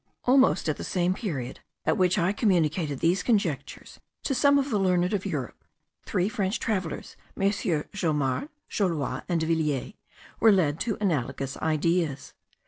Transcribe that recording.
Almost at the same period at which I communicated these conjectures to some of the learned of Europe, three French travellers, MM. Jomard, Jollois, and Devilliers, were led to analogous ideas.